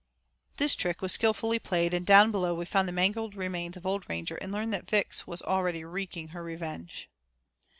This trick was skilfully played, and down below we found the mangled remains of old Ranger and learned that Vix was already wreaking her revenge.